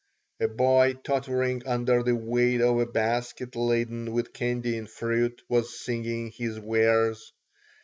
A boy tottering under the weight of a basket laden with candy and fruit was singing his wares.